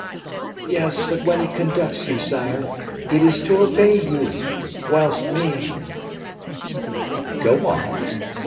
"Yes, but when he conducts you, sire, it is to obey you; whilst me " "Go on!"